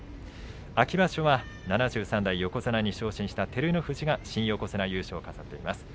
秋場所は７３代横綱に昇進した照ノ富士が新横綱優勝を飾っています。